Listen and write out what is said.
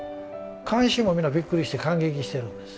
観衆も皆びっくりして感激してるんです。